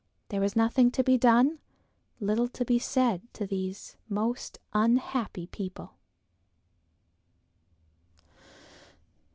There was nothing to be done; little to be said to these most unhappy people.